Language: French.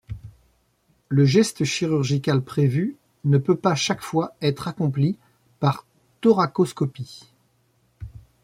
Le geste chirurgical prévu ne peut pas chaque fois être accompli par thoracoscopie.